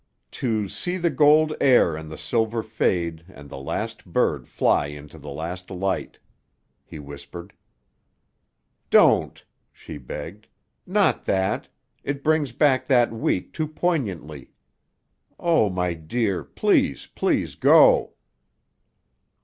"To "'See the gold air and the silver fade And the last bird fly into the last light'," he whispered. "Don't!" she begged. "Not that! It brings back that week too poignantly. Oh, my dear; please, please go."